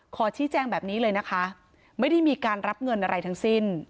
ขอชี้แจงแบบนี้เลยนะคะไม่ได้มีการรับเงินอะไรทั้งสิ้น